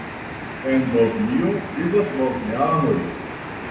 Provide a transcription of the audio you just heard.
En Bosnio vivas bosnianoj.